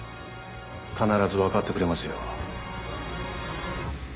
必ず分かってくれますよ。